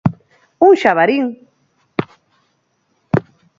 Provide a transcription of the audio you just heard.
Un xabarín.